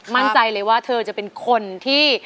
มั่นใจเลยว่าเธอจะเป็นคนที่